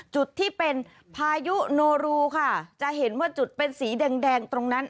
จุดที่เป็นพายุโนรูค่ะจะเห็นว่าจุดเป็นสีแดงแดงตรงนั้น